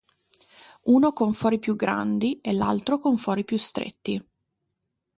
Uno con fori più grandi, e l'altro con fori più stretti.